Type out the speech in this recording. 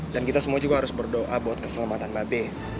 dan kita semua juga harus berdoa buat keselamatan babi